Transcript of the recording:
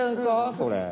それ。